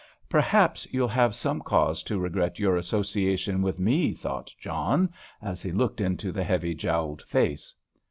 "Perhaps you'll have some cause to regret your association with me," thought John, as he looked into the heavy jowled face.